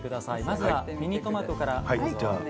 まずはミニトマトからどうぞ。